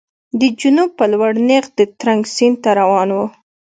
د جنوب په لور نېغ د ترنک سیند ته روان و.